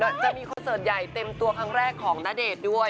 จะมีคอนเสิร์ตใหญ่เต็มตัวครั้งแรกของณเดชน์ด้วย